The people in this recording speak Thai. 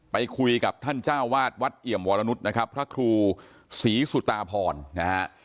ไปคุยกับท่านเจ้าวาดวัดเอี่ยมวรนุษย์นะครับพระครูศรีสุตาพรนะฮะ